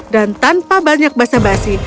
dan tanpa banyak basa basi